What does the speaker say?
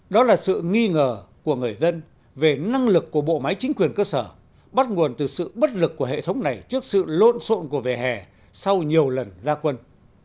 đó là sự nghi ngờ của người dân về năng lực của bộ máy chính quyền cơ sở bắt nguồn từ sự bất lực của hệ thống này trước sự lộn xộn của vỉa hè sau nhiều lần ra quân